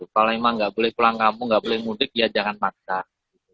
kalau emang gak boleh pulang kampung gak boleh mudik ya jangan masak